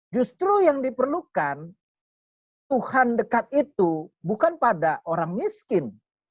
justru yang diperlukan kebutuhan dekat itu bukan pada orang miskin